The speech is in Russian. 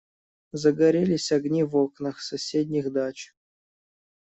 Загорелись огни в окнах соседних дач.